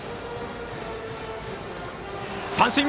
三振！